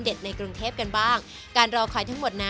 เส้นเข้ามาข้างหลัง